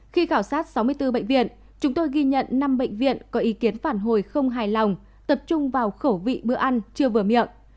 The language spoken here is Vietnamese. khi khảo sát sáu mươi bốn bệnh viện chúng tôi ghi nhận năm bệnh viện có ý kiến phản hồi không hài lòng tập trung vào khẩu vị bữa ăn trưa vừa miệng